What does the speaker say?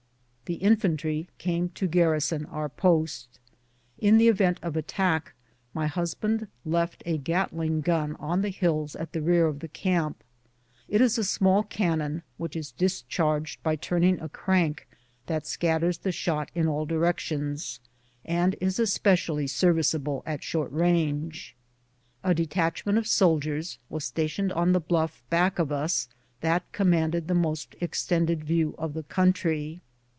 The infantry came to garrison our post. In the event of attack, my husband left a Gatling gun on the hills at the rear of the camp. It is a small cannon, which is dis charged by turning a crank that scatters the shot in all directions, and is especially serviceable at short range. A detachment of soldiers was stationed on the bluff back of us, that commanded the most extended view of the country.